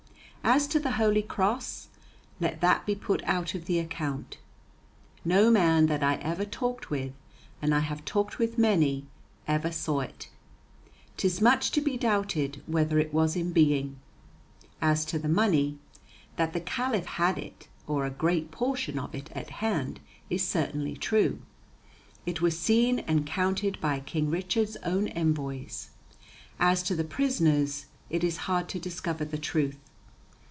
As to the Holy Cross, let that be put out of the account. No man that I ever talked with and I have talked with many ever saw it. 'Tis much to be doubted whether it was in being. As to the money, that the Caliph had it, or a great portion of it, at hand, is certainly true. It was seen and counted by King Richard's own envoys. As to the prisoners, it is hard to discover the truth.